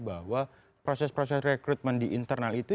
bahwa proses proses rekrutmen di internal itu